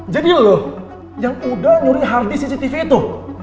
jadi lo yang udah nyuri harddisk cctv itu